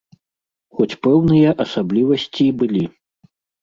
Хоць пэўныя асаблівасці былі.